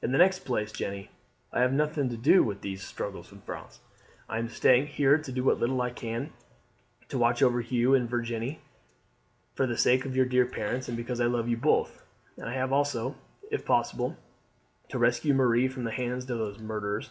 "In the next place, Jeanne, I have nothing to do with these struggles in France. I am staying here to do what little I can to watch over you and Virginie, for the sake of your dear parents and because I love you both; and I have also, if possible, to rescue Marie from the hands of these murderers.